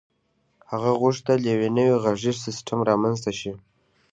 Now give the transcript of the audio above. هغه غوښتل یو نوی غږیز سیسټم رامنځته شي